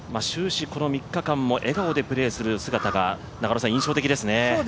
終始この３日間も笑顔でプレーする姿が印象的ですね。